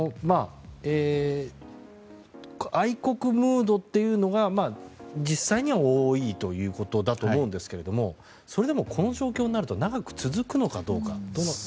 愛国ムードというのが実際には多いということだと思うんですけどもそれでもこの状況になると長く続くのか、どうでしょう。